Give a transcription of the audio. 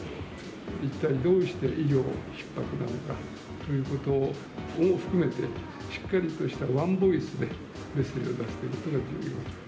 一体どうして医療ひっ迫なのかということを含めて、しっかりとしたワンボイスで、メッセージを出すということが重要。